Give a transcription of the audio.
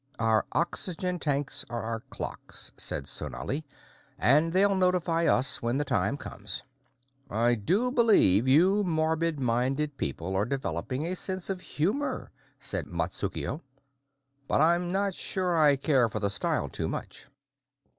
"Our oxygen tanks are our clocks," said Sonali. "And they'll notify us when the time comes." "I do believe you morbid minded people are developing a sense of humor," said Matsukuo, "but I'm not sure I care for the style too much."